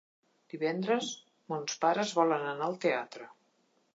Divendres mons pares volen anar al teatre.